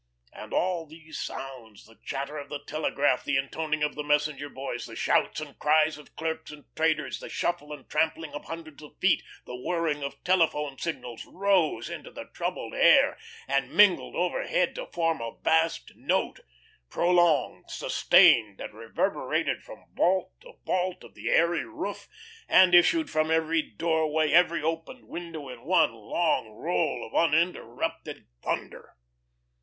And all these sounds, the chatter of the telegraph, the intoning of the messenger boys, the shouts and cries of clerks and traders, the shuffle and trampling of hundreds of feet, the whirring of telephone signals rose into the troubled air, and mingled overhead to form a vast note, prolonged, sustained, that reverberated from vault to vault of the airy roof, and issued from every doorway, every opened window in one long roll of uninterrupted thunder.